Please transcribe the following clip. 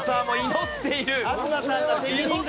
祈っている。